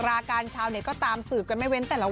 ราการชาวเน็ตก็ตามสืบกันไม่เว้นแต่ละวัน